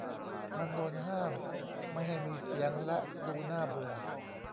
มันโดนห้ามไม่ให้มีเสียงและดูน่าเบื่อ